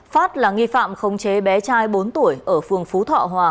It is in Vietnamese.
phát là nghi phạm không chế bé trai bốn tuổi ở phường phú thọ hòa